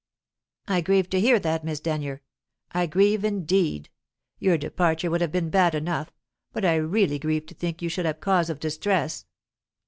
"I grieve to hear that, Miss Denyer; I grieve indeed. Your departure would have been bad enough, but I really grieve to think you should have cause of distress."